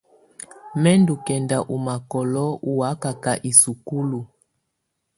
Mɛ̀ ndù kɛnda ɔ̀ makɔlɔ ù wakaka i sukulu.